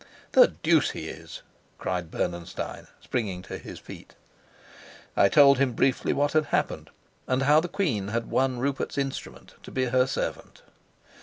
"The deuce he is!" cried Bernenstein, springing to his feet. I told him briefly what had happened, and how the queen had won Rupert's instrument to be her servant.